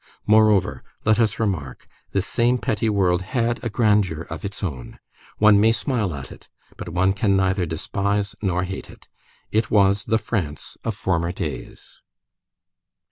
Moreover, let us remark, this same petty world had a grandeur of its own. One may smile at it, but one can neither despise nor hate it. It was the France of former days.